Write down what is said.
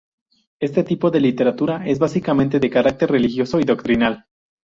Este tipo de literatura es básicamente de carácter religioso y doctrinal.